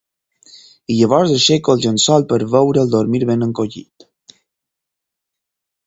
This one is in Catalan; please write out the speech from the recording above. I llavors aixeco el llençol per veure'l dormir ben encongit.